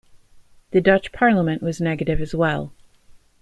The Dutch Parliament was negative as well.